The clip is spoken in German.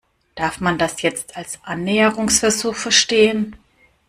Darf man das jetzt als Annäherungsversuch verstehen?